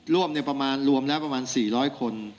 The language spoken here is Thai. ร่วมล้วมประมาณ๔๐๐คน